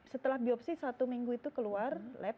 setelah biopsi satu minggu itu keluar lab